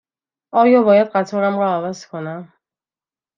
آیا باید قطارم را عوض کنم؟